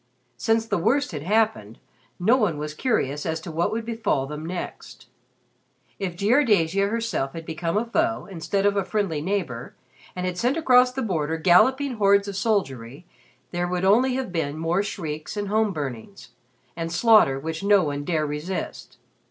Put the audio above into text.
Since the worst had happened, no one was curious as to what would befall them next. If Jiardasia herself had become a foe, instead of a friendly neighbor, and had sent across the border galloping hordes of soldiery, there would only have been more shrieks, and home burnings, and slaughter which no one dare resist.